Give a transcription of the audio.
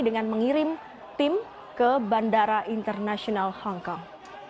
dengan mengirim tim ke bandara internasional hongkong